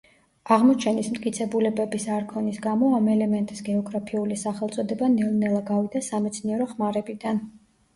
აღმოჩენის მტკიცებულებების არ ქონის გამო ამ ელემენტის გეოგრაფიული სახელწოდება ნელ ნელა გავიდა სამეცნიერო ხმარებიდან.